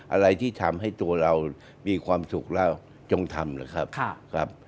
อะไรที่ทำให้ตัวเรามีความสุขแล้วจงทำนะครับ